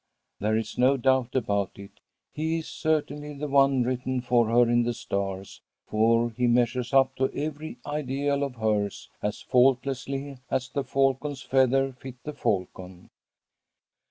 There is no doubt about it, he is certainly the one written for her in the stars, for he measures up to every ideal of hers, as faultlessly 'as the falcon's feathers fit the falcon.'